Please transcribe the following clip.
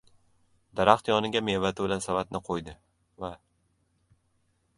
Daraxt yoniga meva toʻla savatni qoʻydi va: